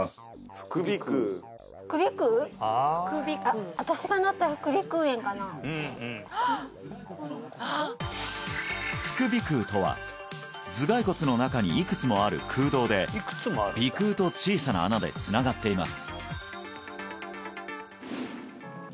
副鼻腔あうんうん副鼻腔とは頭蓋骨の中にいくつもある空洞で鼻腔と小さな穴でつながっています